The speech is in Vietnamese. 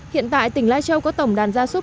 hiện tại tỉnh lai châu có tổng đàn gia súc